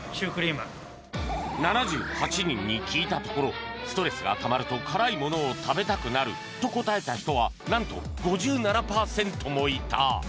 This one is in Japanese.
７８人に聞いたところストレスがたまると辛い物を食べたくなると答えた人はなんと５７パーセントもいた